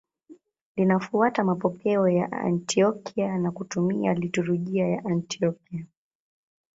Linafuata mapokeo ya Antiokia na kutumia liturujia ya Antiokia.